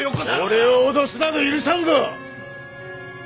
俺を脅すなど許さんぞ！